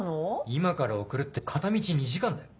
今から送るって片道２時間だよ？